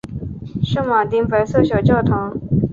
圣马丁白色小教堂。